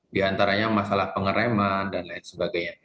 di antaranya masalah pengereman dan lain sebagainya